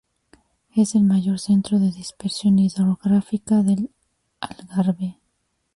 Es el mayor centro de dispersión hidrográfica del Algarve.